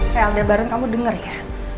hei aldebaran kamu denger ya